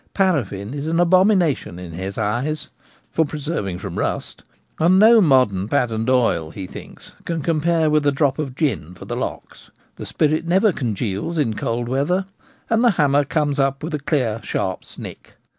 Paraffin is an abomination in his eyes (for preserving from rust), and no modern patent oil, he thinks, can compare with a drop of gin for the locks — the spirit never congeals in cold weather, and the hammer comes up with a clear, sharp snick.